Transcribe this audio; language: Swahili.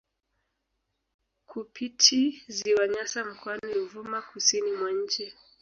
Kupiti ziwa Nyasa mkoani Ruvuma kusini mwa nchi